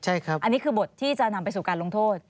อันนี้คือบทที่จะนำไปสู่การลงโทษ